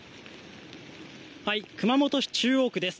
熊本市中央区です。